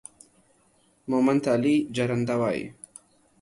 مومند تالي جرنده وايي